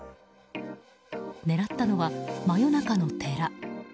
狙ったのは真夜中の寺。